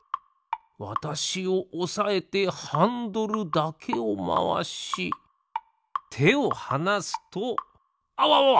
わたしをおさえてハンドルだけをまわしてをはなすとあわわわ！